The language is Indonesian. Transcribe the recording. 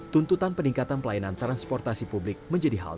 tuntutan peningkatan pelayanan transportasi publik menjadi hal